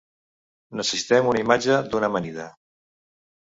Necessitem una imatge d'una amanida.